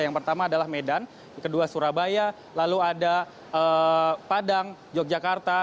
yang pertama adalah medan kedua surabaya lalu ada padang yogyakarta